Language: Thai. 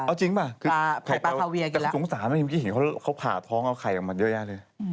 เอาจริงป่ะคือแต่สงสารนะเมื่อกี้เห็นเขาผ่าท้องเอาไข่ออกมาเยอะแยะเลย